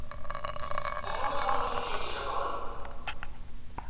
Anwa-t win akken i m-d-iheddṛen?